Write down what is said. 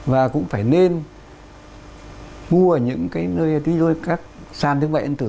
và cũng phải nên mua ở những cái nơi các sàn thương mại yên tử